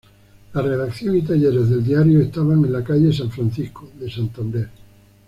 La redacción y talleres del diario estaban en la "calle San Francisco" de Santander.